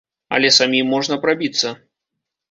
Але самім можна прабіцца.